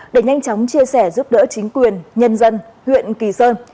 để nhanh chóng chia sẻ giúp đỡ chính quyền nhân dân huyện kỳ sơn